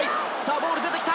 ボールが出てきた。